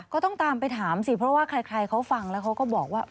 ก็ต้องตามไปถามสิเพราะว่าใครเขาฟังแล้วเขาก็บอกว่า